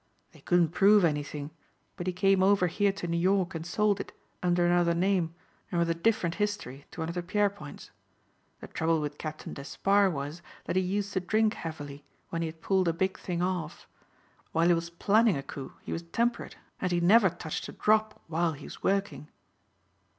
They couldn't prove anything, but he came over here to New York and sold it, under another name, and with a different history, to one of the Pierpoints. The trouble with Captain Despard was that he used to drink heavily when he had pulled a big thing off. While he was planning a coup he was temperate and he never touched a drop while he was working."